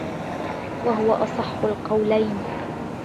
وَهُوَ أَصَحُّ الْقَوْلَيْنِ